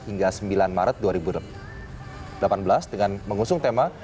hingga sembilan maret dua ribu delapan belas dengan mengusung tema